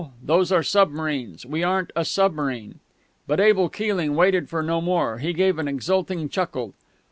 Those are submarines ... we aren't a submarine...._" But Abel Keeling waited for no more. He gave an exulting chuckle.